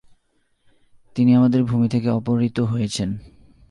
তিনি আমাদের ভূমি থেকে অপহৃত হয়েছেন"।